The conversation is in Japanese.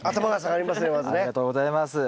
ありがとうございます。